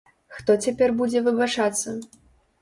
Хто цяпер будзе выбачацца?